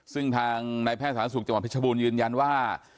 ซึ่งทางนายแพทย์สาธารณสุขจังหวัดเพชรบูรณ์ยืนยันว่า